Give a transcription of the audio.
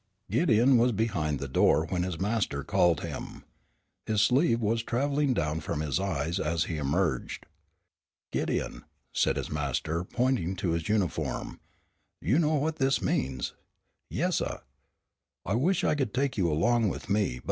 Gideon was behind the door when his master called him. His sleeve was traveling down from his eyes as he emerged. "Gideon," said his master, pointing to his uniform, "you know what this means?" "Yes, suh." "I wish I could take you along with me.